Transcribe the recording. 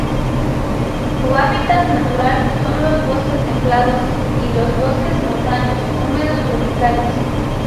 Su hábitat natural son los bosques templados, y los bosques montanos húmedos tropicales.